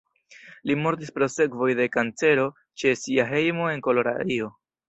Li mortis pro sekvoj de kancero ĉe sia hejmo en Koloradio.